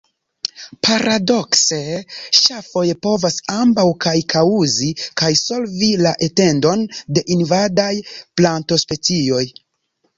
Paradokse, ŝafoj povas ambaŭ kaj kaŭzi kaj solvi la etendon de invadaj plantospecioj.